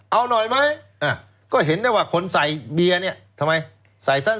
เอาหน่อยไหมก็เห็นได้ว่าคนใส่เบียร์เนี่ยทำไมใส่ซะ